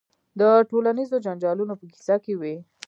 د ټولنیزو جنجالونو په کیسه کې وي.